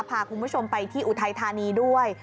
พาคุณผู้ชมไปที่อุทัยธานีด้วย